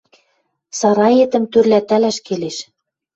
«Сараетӹм тӧрлӓтӓлӓш келеш.